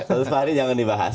satu hari jangan dibahas